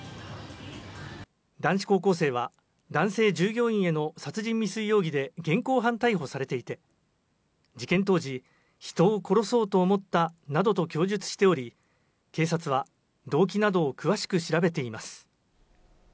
男子高校生は男性従業員への殺人未遂容疑で現行犯逮捕されていて、事件当時、人を殺そうと思ったなどと供述しており、警察は動機などを詳しく調べています。